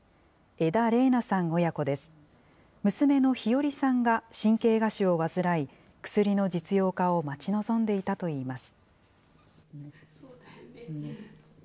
娘の妃里さんが神経芽腫を患い、薬の実用化を待ち望んでいたといいます。